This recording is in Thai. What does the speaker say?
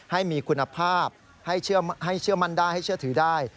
ให้มีคุณภาพให้เชื่อมั่นได้ให้เชื่อถือได้